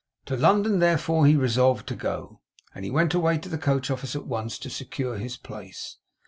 To London, therefore, he resolved to go; and he went away to the coach office at once, to secure his place.